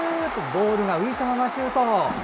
ボールが浮いたままのシュート。